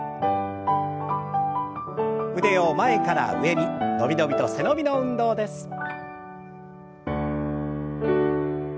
腕を前から上に伸び伸びと背伸びの運動です。